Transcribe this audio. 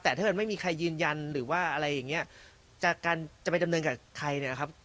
แต่ถ้ามันไม่มีใครยืนยันหรือว่าอะไรอย่างเงี้ยจากการจะไปดำเนินกับใครเนี่ยนะครับ